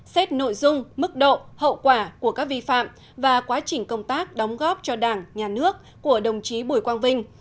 xét nội dung mức độ hậu quả của các vi phạm và quá trình công tác đóng góp cho đảng nhà nước của đồng chí bùi quang vinh